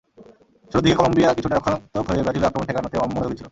শুরুর দিকে কলম্বিয়া কিছুটা রক্ষণাত্মক হয়ে ব্রাজিলীয় আক্রমণ ঠেকানোতে মনোযোগী ছিল।